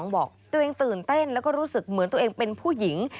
บอกตัวเองตื่นเต้นแล้วก็รู้สึกเหมือนตัวเองเป็นผู้หญิง